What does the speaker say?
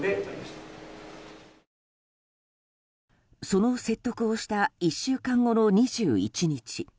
その説得をした１週間後の２１日